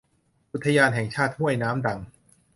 อุทยานแห่งชาติห้วยน้ำดัง